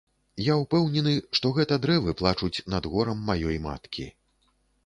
Я ўпэўнены, што гэта дрэвы плачуць над горам маёй маткі.